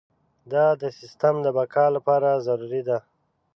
دا د سیستم د بقا لپاره ضروري ده.